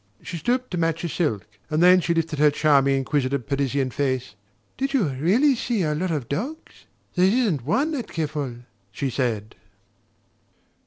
She stooped to match a silk; then she lifted her charming inquisitive Parisian face: "Did you REALLY see a lot of dogs? There isn't one at Kerfol," she said.